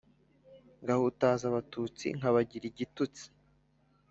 ngahutaza abatutsi nkabagira igitutsi